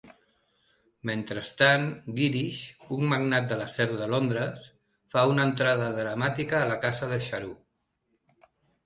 Mentrestant, Girish, un magnat de l'acer de Londres, fa una entrada dramàtica a la casa de Charu.